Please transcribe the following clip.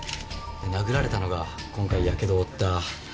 殴られたのが今回やけどを負った。